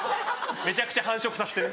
めちゃくちゃ繁殖させてる。